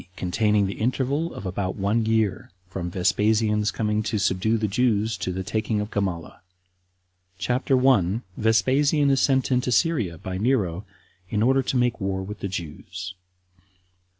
Containing The Interval Of About One Year. From Vespasian's Coming To Subdue The Jews To The Taking Of Gamala. CHAPTER 1. Vespasian Is Sent Into Syria By Nero In Order To Make War With The Jews.